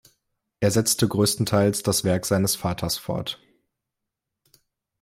Er setzte größtenteils das Werk seines Vaters fort.